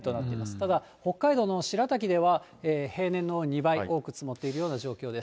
ただ、北海道の白滝では、平年の２倍多く積もっているような状況です。